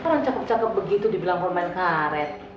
orang cakep cakep begitu dibilang mau main karet